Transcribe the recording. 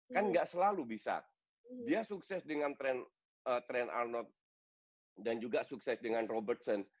kan tidak selalu bisa dia sukses dengan trent arnold dan juga sukses dengan robertson